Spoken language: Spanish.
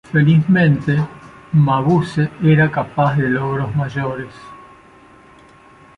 Felizmente, Mabuse era capaz de logros mayores.